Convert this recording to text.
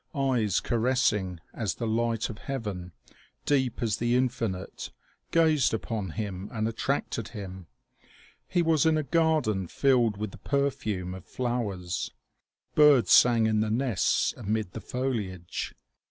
Eyes caressing as the light of heaven, deep as the infinite, gazed upon him and attracted him. He was in a garden filled with the perfume of flow ers. Birds sang in the nests amid the foliage.